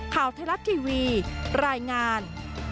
ข่าวไทยรัฐทีวีรายงาน